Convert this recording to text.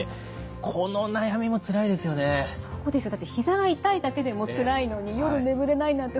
だってひざが痛いだけでもつらいのに夜眠れないなんて